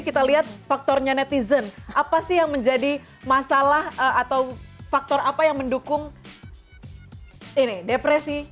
kita lihat faktornya netizen apa sih yang menjadi masalah atau faktor apa yang mendukung depresi